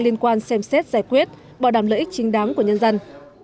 liên quan xem xét giải quyết bảo đảm lợi ích chính đáng của nhân dân